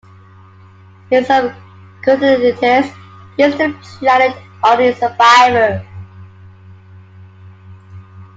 In some continuities, he is the planet's only survivor.